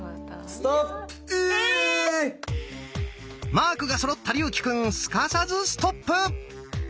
マークがそろった竜暉くんすかさずストップ！